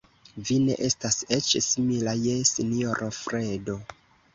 Vi ne estas eĉ simila je sinjoro Fredo.